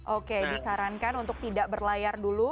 oke disarankan untuk tidak berlayar dulu